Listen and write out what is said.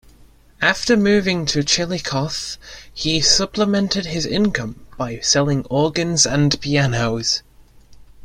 After moving to Chillicothe, he supplemented his income by selling organs and pianos.